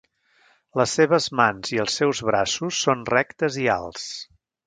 Les seves mans i els seus braços són rectes i alts.